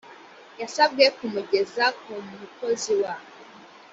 yasabwe kumugeza ku mukozi wa